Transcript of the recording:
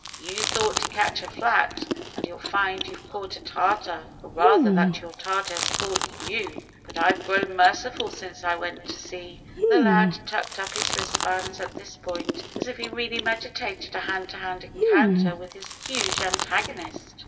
You thought to catch a flat, and you'll find you've caught a tartar; or, rather, that the tartar has caught you. But I've grown merciful since I went to sea," (the lad tucked up his wristbands at this point, as if he really meditated a hand to hand encounter with his huge antagonist).